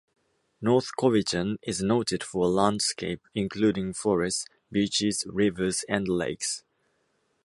North Cowichan is noted for a landscape including forests, beaches, rivers and lakes.